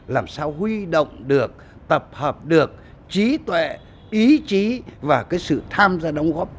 làm sao huy động được tập hợp được trí tuệ ý chí và cái sự tham gia đóng góp